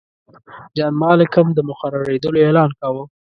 جان مالکم د مقررېدلو اعلان کاوه.